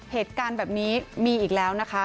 เหตุการณ์แบบนี้มีอีกแล้วนะคะ